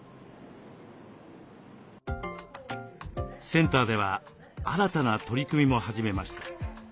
センターでは新たな取り組みも始めました。